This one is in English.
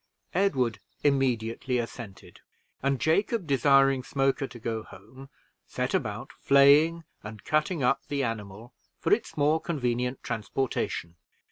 Edward immediately assented, and Jacob, desiring Smoker to go home, set about flaying and cutting up the animal for its more convenient transportation.